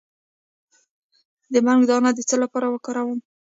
د بنګ دانه د څه لپاره وکاروم؟